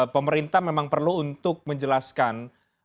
pemerintah memang perlu untuk menjelaskan